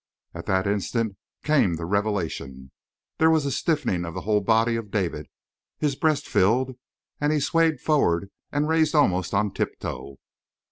At that instant came the revelation; there was a stiffening of the whole body of David; his breast filled and he swayed forward and raised almost on tiptoe.